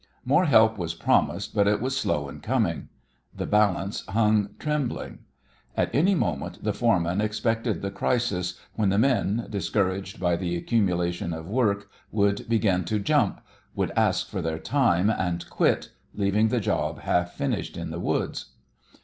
More help was promised, but it was slow in coming. The balance hung trembling. At any moment the foreman expected the crisis, when the men, discouraged by the accumulation of work, would begin to "jump," would ask for their "time" and quit, leaving the job half finished in the woods.